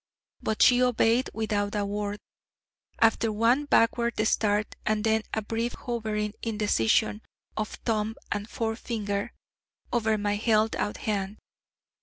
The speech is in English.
But she obeyed without a word, after one backward start and then a brief hovering in decision of thumb and forefinger over my held out hand.